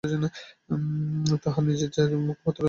তাঁহার নিজের কয়েকখানি মুখপত্র থাকে, এজন্য তিনি সদাই উৎসুক ছিলেন।